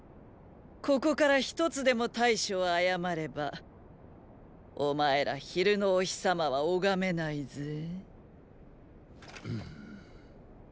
ここから一つでも対処を誤ればお前ら昼のお日様は拝めないぜェ？